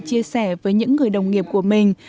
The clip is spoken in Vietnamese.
chia sẻ với những người đồng nghiệp của mình